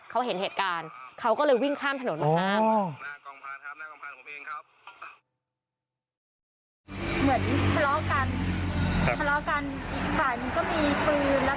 เขาเห็นเหตุการณ์เขาก็เลยวิ่งข้ามถนนมาห้าม